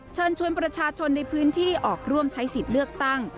เชิญชวนประชาชนในพื้นที่ออกร่วมใช้สิทธิ์เลือกตั้ง